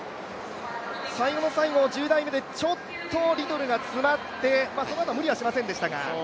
最後の最後、１０台目でちょっとリトルが詰まって、そのあと無理はしませんでしたが。